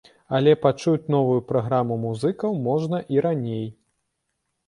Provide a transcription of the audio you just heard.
Але пачуць новую праграму музыкаў можна і раней.